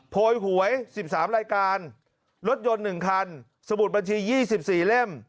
โพยหวย๑๓รายการรถยนต์๑คันสมุดบัญชี๒๔เล่ม